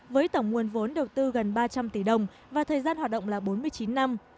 với tổng nguồn vốn đầu tư gần ba trăm linh tỷ đồng và thời gian hoạt động là bốn mươi chín năm